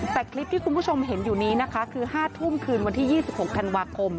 แต่คลิปที่คุณผู้ชมเห็นอยู่นี้นะคะคือ๕ทุ่มคืนวันที่๒๖ธันวาคม